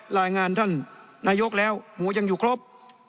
รายงานท่านนายกแล้วหมูยังอยู่ครบ